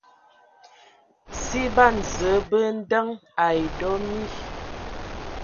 Si ban Zǝə bə andəŋ ai dɔ mi.